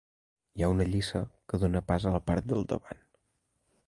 Hi ha una lliça que dóna pas a la part del davant.